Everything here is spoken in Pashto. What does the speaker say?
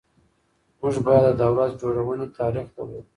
موږ باید د دولت جوړونې تاریخ ولولو.